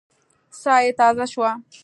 ساه يې تازه شوه.